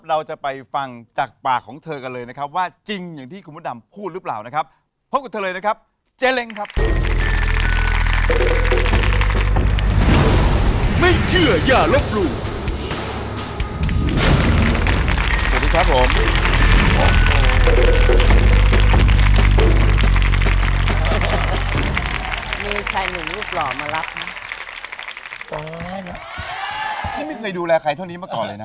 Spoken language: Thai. มีชายหนุ่มลูกหล่อมารับไม่เคยดูแลใครเท่านี้มาก่อนเลยนะ